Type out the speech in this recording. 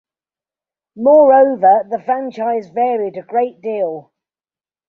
Moreover, the franchise varied a great deal.